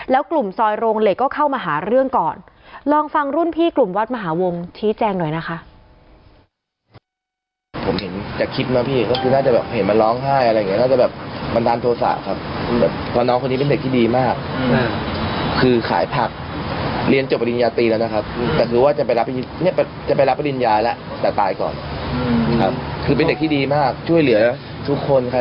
แล้วกลุ่มซอยโรงเหล็กก็เข้ามาหาเรื่องก่อนลองฟังรุ่นพี่กลุ่มวัดมหาวงชี้แจงหน่อยนะคะ